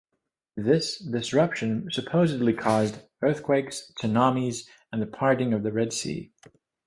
This disruption supposedly caused earthquakes, tsunamis, and the parting of the Red Sea.